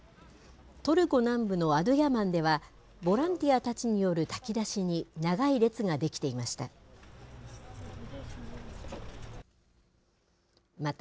トルコ南部のアドゥヤマンでは、ボランティアたちによる炊き出しに長い列が出来ていました。